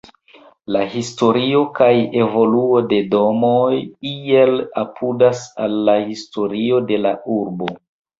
La historio kaj evoluo de domoj iel apudas al la historio de la urbo.